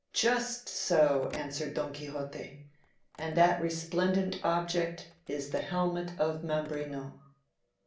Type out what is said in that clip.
'Just so,' answered Don Quixote: 'and that resplendent object is the helmet of Mambrino.